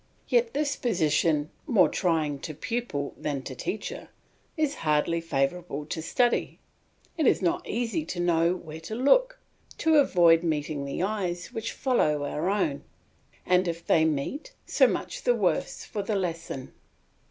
Yet this position, more trying to pupil than to teacher, is hardly favourable to study. It is not easy to know where to look, to avoid meeting the eyes which follow our own, and if they meet so much the worse for the lesson.